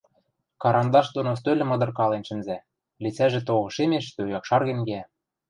карандаш доно стӧлӹм ыдыркален шӹнзӓ, лицӓжӹ то ошемеш, то якшарген кеӓ.